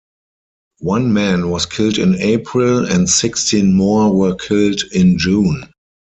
One man was killed in April and sixteen more were killed in June.